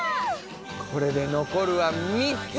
これで残るは３つ！